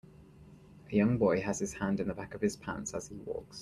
A young boy has his hand in the back of his pants as he walks.